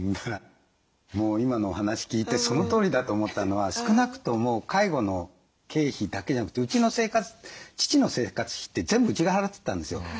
もう今のお話聞いてそのとおりだと思ったのは少なくとも介護の経費だけじゃなくて父の生活費って全部うちが払ってたんですよ。